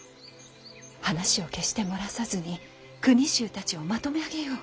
話を決して漏らさずに国衆たちをまとめ上げよう。